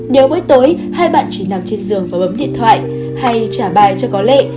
nếu mỗi tối hai bạn chỉ nằm trên giường và bấm điện thoại hay trả bài cho có lệ